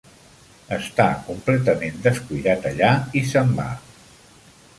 Està completament descuidat allà i se'n va.